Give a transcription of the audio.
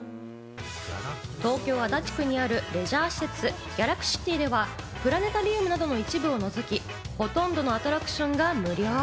東京・足立区にあるレジャー施設・ギャラクシティではプラネタリウムなどの一部を除き、ほとんどのアトラクションが無料。